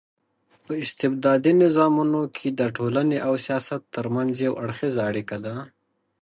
په استبدادي نظامونو کي د ټولني او سياست ترمنځ يو اړخېزه اړيکه ده